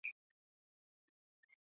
但可提供用于文本处理的信息。